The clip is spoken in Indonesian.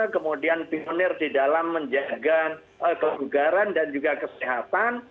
kemudian pioner di dalam menjaga kekejangan dan juga kesehatan